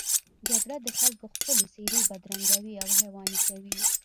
جګړه د خلکو ښکلې څېرې بدرنګوي او حیواني کوي